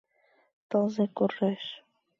Тылзе куржеш.